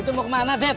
itu mau kemana det